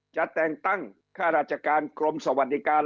จะแต่งตั้งค่าราชการกรมสวัสดิการ